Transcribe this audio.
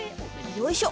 よいしょ。